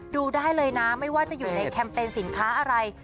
ดูได้เลยนะไม่ว่าจะอยู่ในแคมเปญสินค้าอะไร